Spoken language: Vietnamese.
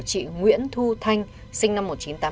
chị nguyễn thu thanh sinh năm một nghìn chín trăm tám mươi tám